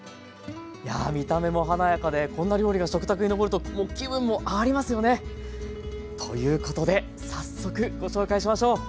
いや見た目も華やかでこんな料理が食卓に上ると気分も上がりますよね！ということで早速ご紹介しましょう。